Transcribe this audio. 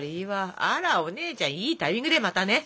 あらお姉ちゃんいいタイミングでまたね。